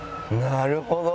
なるほど！